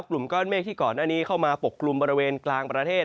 กลุ่มก้อนเมฆที่ก่อนหน้านี้เข้ามาปกกลุ่มบริเวณกลางประเทศ